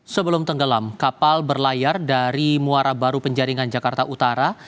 sebelum tenggelam kapal berlayar dari muara baru penjaringan jakarta utara